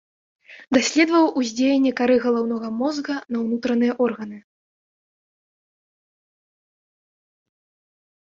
Даследаваў уздзеянне кары галаўнога мозга на ўнутраныя органы.